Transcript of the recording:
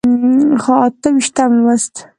اته ویشتم لوست.